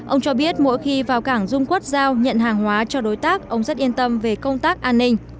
ông cho biết mỗi khi vào cảng dung quốc giao nhận hàng hóa cho đối tác ông rất yên tâm về công tác an ninh